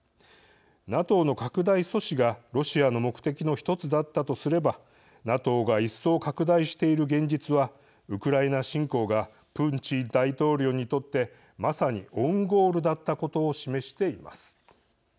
ＮＡＴＯの拡大阻止がロシアの目的の１つだったとすれば、ＮＡＴＯが一層拡大している現実はウクライナ侵攻がプーチン大統領にとってまさにオウンゴールだったことを示しています。